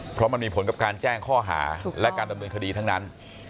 เพราะมันมีผลกับการแจ้งข้อหาและการดำเนินคดีทั้งนั้น